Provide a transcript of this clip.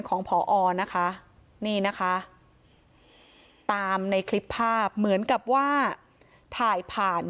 ของพอนะคะนี่นะคะตามในคลิปภาพเหมือนกับว่าถ่ายผ่าน